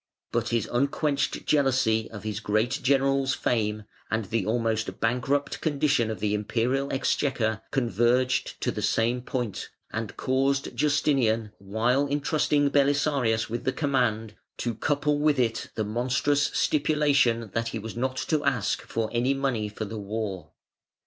But his unquenched jealousy of his great general's fame, and the almost bankrupt condition of the Imperial exchequer converged to the same point, and caused Justinian, while entrusting Belisarius with the command, to couple with it the monstrous stipulation that he was not to ask for any money for the war.